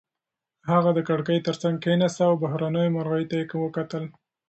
هغه د کړکۍ تر څنګ کېناسته او بهرنیو مرغیو ته یې وکتل.